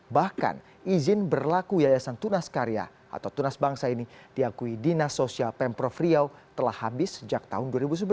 bahkan izin berlaku yayasan tunas karya atau tunas bangsa ini diakui dinas sosial pemprov riau telah habis sejak tahun dua ribu sebelas